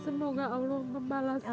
semoga allah membalasnya